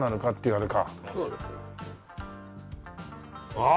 ああ！